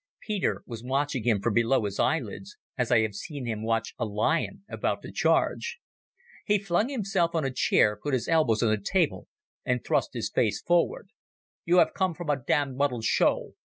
Peter was watching him from below his eyelids, as I have seen him watch a lion about to charge. He flung himself on a chair, put his elbows on the table, and thrust his face forward. "You have come from a damned muddled show.